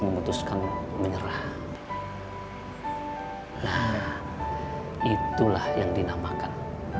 memutuskan menyerah lah itulah yang dinamakan